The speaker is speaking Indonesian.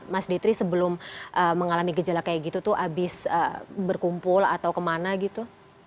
mas detri sebelum mengalami gejala kayak gitu tuh abis berkumpul atau kemana gitu